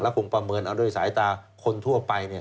คงประเมินเอาด้วยสายตาคนทั่วไปเนี่ย